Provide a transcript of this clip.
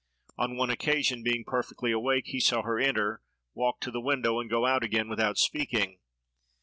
On one occasion, being perfectly awake, he saw her enter, walk to the window, and go out again without speaking.